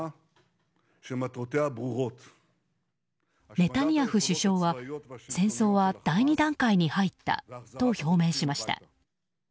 ネタニヤフ首相は戦争は第２段階に入ったと表明しました。